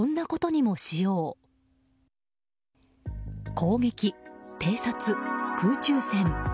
攻撃、偵察、空中戦。